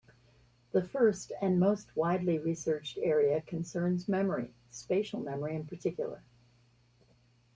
The first and most widely researched area concerns memory, spatial memory in particular.